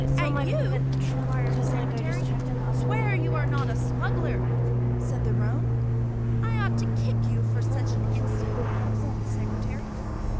"At you?" inquired the Secretary. "Swear you are not a smuggler," said the roan. "I ought to kick you for such an insult," said the Secretary.